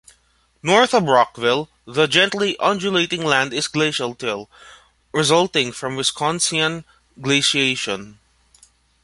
North of Rockville, the gently undulating land is glacial till resulting from Wisconsinan glaciation.